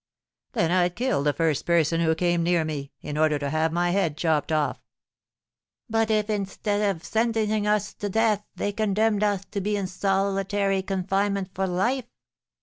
"Then I'd kill the first person who came near me, in order to have my head chopped off." "But if, instead of sentencing such as us to death, they condemned us to be in solitary confinement for life?"